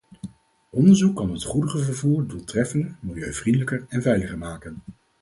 Onderzoek kan het goederenvervoer doeltreffender, milieuvriendelijker en veiliger maken.